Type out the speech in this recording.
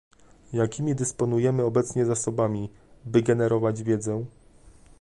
Jakimi dysponujemy obecnie zasobami, by generować wiedzę?